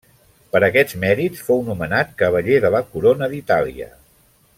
Per aquests mèrits fou nomenat Cavaller de la Corona d'Itàlia.